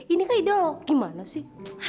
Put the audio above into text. ini kan ideal lho gimana sih